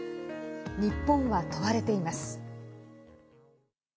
日本は問われています。